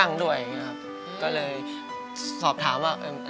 อันดับนี้เป็นแบบนี้